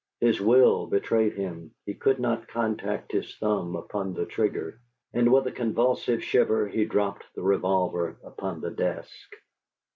His will betrayed him; he could not contract his thumb upon the trigger, and, with a convulsive shiver, he dropped the revolver upon the desk.